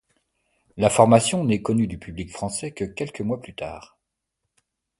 L'information n'est connue du public français que quelques mois plus tard.